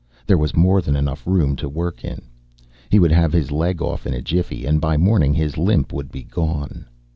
There was more than enough room to work in. He would have his leg off in a jiffy and by morning his limp would be gone.